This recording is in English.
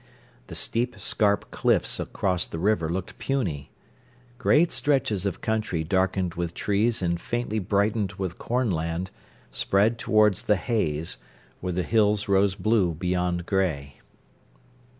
The steep scarp cliffs across the river looked puny. Great stretches of country darkened with trees and faintly brightened with corn land, spread towards the haze, where the hills rose blue beyond grey.